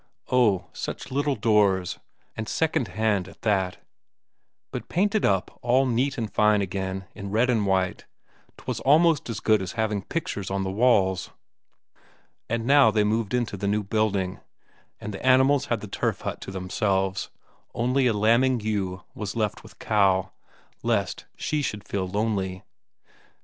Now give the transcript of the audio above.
Oh, such little doors, and secondhand at that, but painted up all neat and fine again in red and white; 'twas almost as good as having pictures on the walls. And now they moved into the new building, and the animals had the turf hut to themselves, only a lambing ewe was left with Cow, lest she should feel lonely.